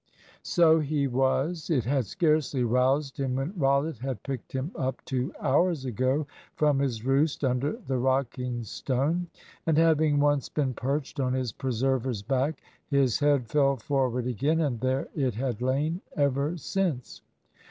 So he was. It had scarcely roused him when Rollitt had picked him up two hours ago from his roost under the rocking stone. And having once been perched on his preserver's back his head fell forward again, and there it had lain ever since.